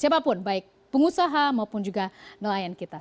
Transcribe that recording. siapapun baik pengusaha maupun juga nelayan kita